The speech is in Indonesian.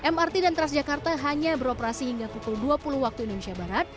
mrt dan transjakarta hanya beroperasi hingga pukul dua puluh waktu indonesia barat